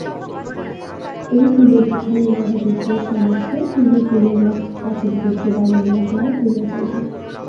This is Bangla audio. এই পুনরুত্থানের মহাবীর্যের সমক্ষে পুনঃপুনর্লদ্ধ প্রাচীন বীর্য বাললীলাপ্রায় হইয়া যাইবে।